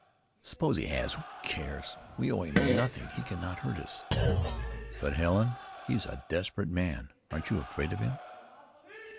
"Suppose he has who cares? We owe him nothing. He cannot hurt us." "But, Helen, he's a desperate man. Aren't you afraid of him?"